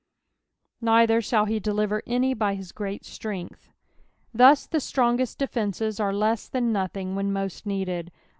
*' A'rither thall he deHrer any fty Aw great tlrengtK," Thus the strongest defences aie lessthan nothing when most needed.